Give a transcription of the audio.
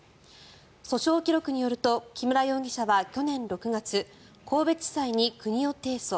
訴訟記録によると木村容疑者は去年６月神戸地裁に国を提訴。